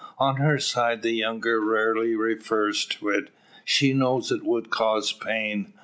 On her side the younger rarely refers to it. She knows it would cause pain.